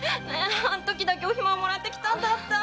半刻だけお暇をもらってきたんだった。